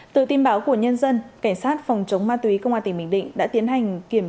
từ tin báo của nhân dân cảnh sát phòng chống ma túy công an tỉnh bình định đã tiến hành kiểm